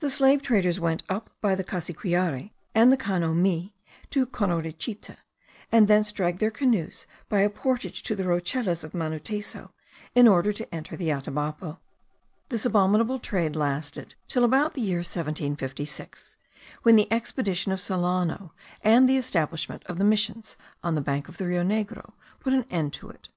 The slave traders went up by the Cassiquiare and the Cano Mee to Conorichite; and thence dragged their canoes by a portage to the rochelas of Manuteso, in order to enter the Atabapo. This abominable trade lasted till about the year 1756; when the expedition of Solano, and the establishment of the missions on the banks of the Rio Negro, put an end to it.